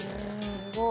すごい。